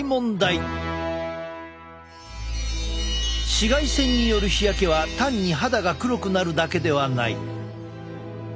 紫外線による日焼けは単に肌が黒くなるだけではない。